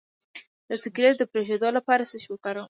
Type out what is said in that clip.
د سګرټ د پرېښودو لپاره څه شی وکاروم؟